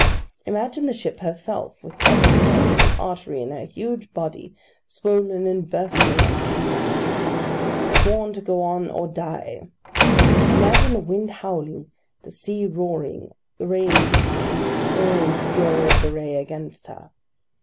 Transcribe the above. Imagine the ship herself, with every pulse and artery of her huge body swollen and bursting under this maltreatment, sworn to go on or die. Imagine the wind howling, the sea roaring, the rain beating: all in furious array against her.